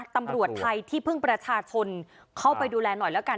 ตำรวจไทยที่พึ่งประชาชนเข้าไปดูแลหน่อยแล้วกัน